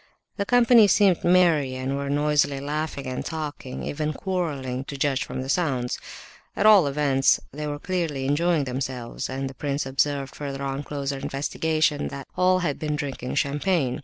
The company seemed merry and were noisily laughing and talking—even quarrelling, to judge from the sounds. At all events they were clearly enjoying themselves, and the prince observed further on closer investigation—that all had been drinking champagne.